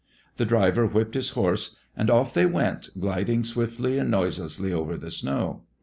The driver whipped his horse, and off they went, gliding swiftly and noiselessly over the snow.